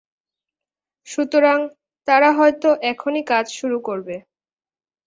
সুতরাং, তারা হয়তো এখনই কাজ শুরু করবে।